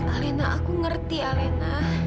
alena aku mengerti alena